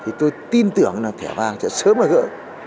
thì tôi tin tưởng thẻ vàng sẽ sớm là gỡ